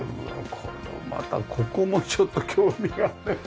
このまたここもちょっと興味があるね。